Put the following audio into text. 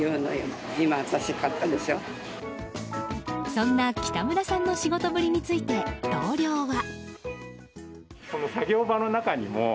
そんな北村さんの仕事ぶりについて同僚は。